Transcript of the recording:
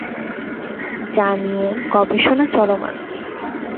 যা নিয়ে গবেষণা চলমান।